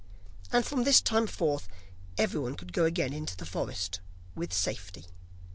And from this time forth everyone could again go into the forest with safety.